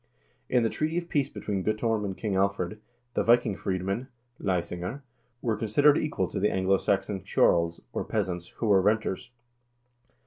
In the treaty of peace between Guttorm and King Alfred, the Viking freedmen (leisinger) were considered equal to the Anglo Saxon ceorls, or peasants, who were renters.